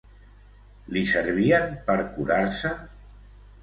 Li servien per curar-se?